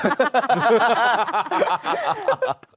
ฮ่า